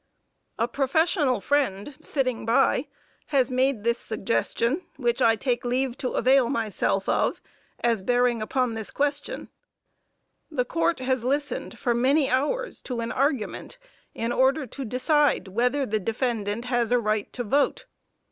A professional friend sitting by has made this suggestion which I take leave to avail myself of as bearing upon this question: "The Court has listened for many hours to an argument in order to decide whether the defendant has a right to vote.